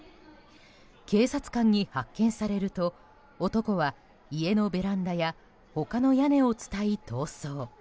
警察官に発見されると男は家のベランダや他の屋根を伝い、逃走。